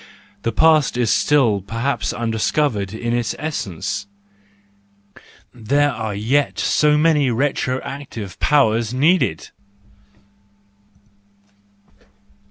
The past is still perhaps undiscovered in its essence! There are yet so many retroactive powers needed!